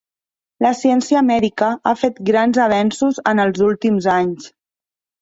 La Ciència Mèdica ha fet grans avenços en els últims anys.